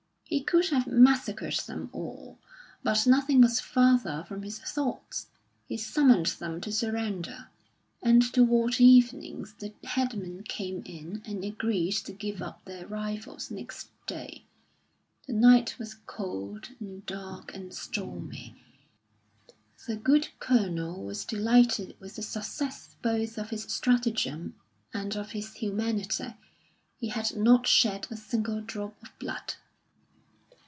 He could have massacred them all, but nothing was farther from his thoughts. He summoned them to surrender, and towards evening the headmen came in and agreed to give up their rifles next day; the night was cold, and dark, and stormy. The good Colonel was delighted with the success both of his stratagem and of his humanity. He had not shed a single drop of blood.